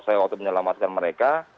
saya waktu menyelamatkan mereka